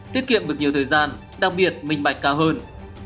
tiết kiệm được nhiều thời gian đặc biệt minh bạch cao hơn